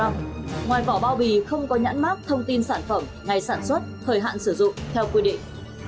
ngoài vỏ bao bì không có nhãn mát thông tin sản phẩm ngày sản xuất thời hạn sử dụng theo quy định